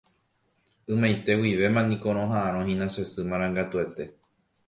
Ymaiteguivémaniko roha'ãrõhína che sy marangatuete